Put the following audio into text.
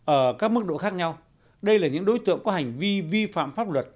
ở các mức độ khác nhau đây là những đối tượng có hành vi vi phạm pháp luật